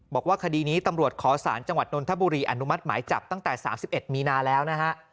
บอกว่าคดีนี้ตำรวจขอสารจังหวัดนทบุรีอนุมัติหมายจับตั้งแต่๓๑มีนาแล้วนะฮะ